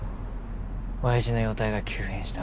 おやじの容体が急変した。